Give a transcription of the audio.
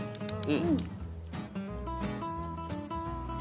うん。